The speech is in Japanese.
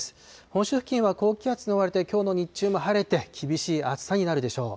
本州付近は高気圧に覆われてきょうの日中も晴れて、厳しい暑さになるでしょう。